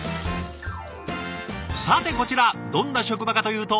さてこちらどんな職場かというと。